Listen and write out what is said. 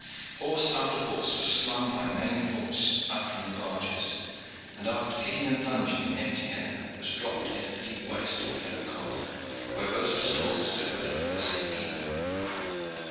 Horse after horse was slung by main force up from the barges, and after kicking and plunging in empty air was dropped into the deep waist of the yellow cog, where rows of stalls stood ready for their safe keeping.